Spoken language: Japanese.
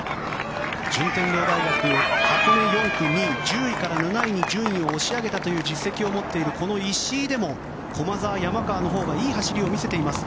順天堂大学、箱根４区２位１０位から７位に順位を押し上げた実績を持っている石井でも駒澤の山川のほうがいい走りを見せています。